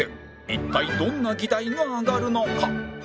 一体どんな議題が上がるのか？